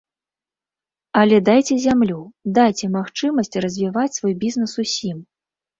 Але дайце зямлю, дайце магчымасць развіваць свой бізнес усім.